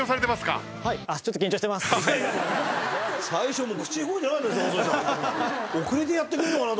最初。